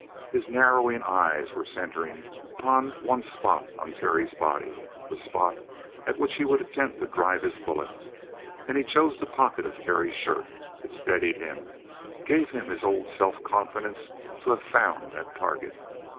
His narrowing eyes were centering on one spot on Terry's body the spot at which he would attempt to drive his bullet, and he chose the pocket of Terry's shirt. It steadied him, gave him his old self confidence to have found that target.